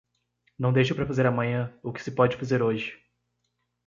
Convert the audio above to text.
Não deixe para fazer amanhã o que se pode fazer hoje